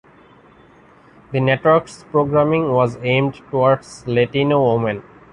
The network's programming was aimed towards Latino women.